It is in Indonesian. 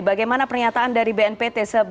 bagaimana pernyataan dari bnpt